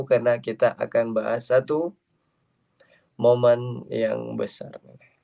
karena kita akan bahas satu momen yang besar